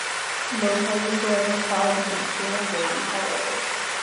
No charges were ever filed against Sarah Brady, however.